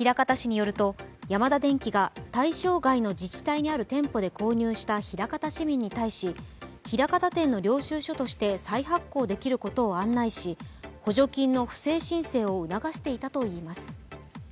枚方市によると、ヤマダデンキが対象外の自治体にある店舗で購入した枚方市民に対し、枚方店の領収書として再発行できることを案内し補助金の不正申請を促していたといいます。